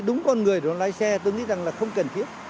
đúng con người đó lái xe tôi nghĩ rằng là không cần thiết